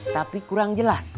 tapi kurang jelas